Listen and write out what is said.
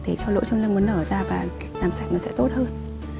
để cho lỗ châm lâm nó nở ra và làm sạch nó sẽ tốt hơn